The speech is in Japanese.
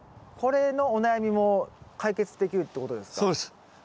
これのお悩みも解決できるってことですか？